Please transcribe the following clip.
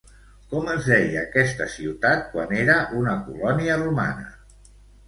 Com es deia aquesta ciutat quan era una colònia romana?